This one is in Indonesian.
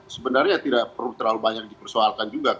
sebenarnya tidak perlu terlalu banyak dipersoalkan juga